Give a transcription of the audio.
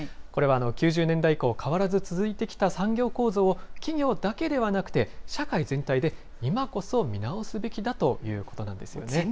これは９０年代以降、変わらず続いてきた産業構造を、企業だけではなくて、社会全体で今こそ見直すべきだということなんですよね。